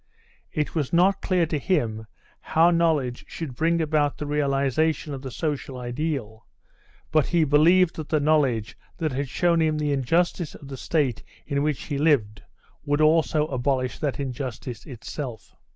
It was not clear to him how knowledge should bring about the realisation of the social ideal, but he believed that the knowledge that had shown him the injustice of the state in which he lived would also abolish that injustice itself.